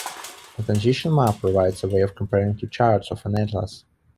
A transition map provides a way of comparing two charts of an atlas.